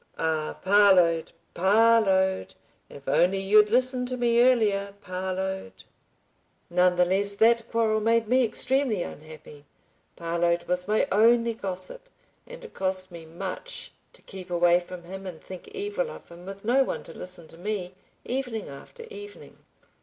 "Ah, Parload! Parload! If only you'd listened to me earlier, Parload. ..." None the less that quarrel made me extremely unhappy. Parload was my only gossip, and it cost me much to keep away from him and think evil of him with no one to listen to me, evening after evening.